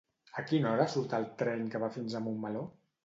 A quina hora surt el tren que va fins a Montmeló?